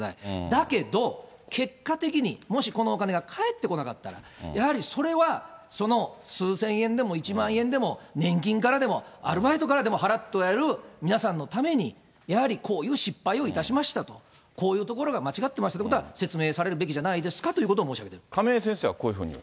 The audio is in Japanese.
だけど、結果的に、もしこのお金が返ってこなかったら、やはりそれはその数千円でも１万円でも年金からでも、アルバイトからでも払ってもらっている皆さんのために、やはりこういう失敗をいたしましたと、こういうところが間違ってましたということは、説明されるべきじゃないですかということを申し上げ亀井先生はこういうふうに。